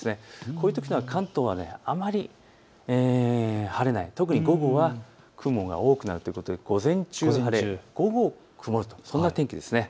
こういうときは関東はあまり晴れない、特に午後は雲が多くなるということで午前中晴れ、午後曇るという、そんな天気です。